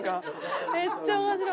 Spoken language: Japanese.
めっちゃ面白い。